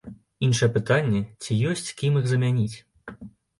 Іншае пытанне, ці ёсць кім іх замяніць.